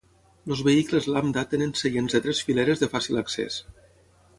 Els vehicles Lambda tenen seients de tres fileres de fàcil accés.